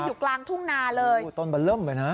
อยู่กลางทุ่งนาเลยโอ้โหต้นมันเริ่มเลยนะ